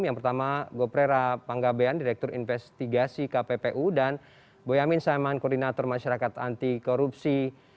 yang pertama goprera panggabean direktur investigasi kppu dan boyamin saiman koordinator masyarakat anti korupsi